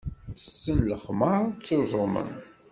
Tessen lexmeṛ, ttuẓumen.